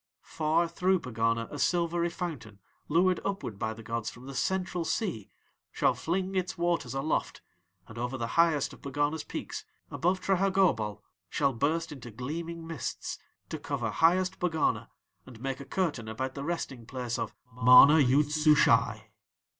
"'Far through Pegana a silvery fountain, lured upward by the gods from the Central Sea, shall fling its waters aloft, and over the highest of Pegana's peaks, above Trehagobol, shall burst into gleaming mists, to cover Highest Pegana, and make a curtain about the resting place of MANA YOOD SUSHAI.